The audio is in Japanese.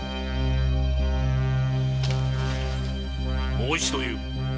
もう一度言う。